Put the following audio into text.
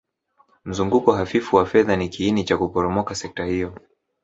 Mzunguko hafifu wa fedha ni kiini cha kuporomoka sekta hiyo